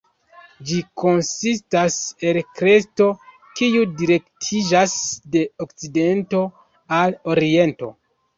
Ĝi konsistas el kresto kiu direktiĝas de okcidento al oriento.